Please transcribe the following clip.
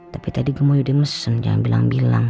tapi tadi gemoy udah mesen jangan bilang bilang